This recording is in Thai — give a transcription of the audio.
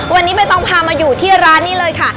วันนี้ไม่ต้องพามาอยู่ที่ร้านนี้เลยค่ะ